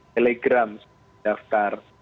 telegram sudah mendaftar